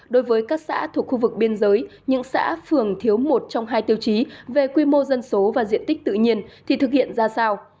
đối với các xã thuộc khu vực biên giới những xã phường thiếu một trong hai tiêu chí về quy mô dân số và diện tích tự nhiên thì thực hiện ra sao